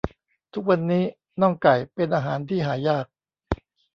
ทุกวันนี้น่องไก่เป็นอาหารที่หายาก